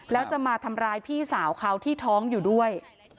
แล้วจะมาทำร้ายพี่สาวเขาที่ท้องอยู่ด้วย